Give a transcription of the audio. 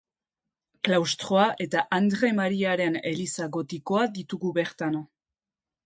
Klaustroa eta Andre Mariaren Eliza gotikoa ditugu bertan.